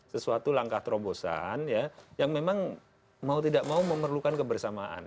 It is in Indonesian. sesuatu langkah terobosan yang memang mau tidak mau memerlukan kebersamaan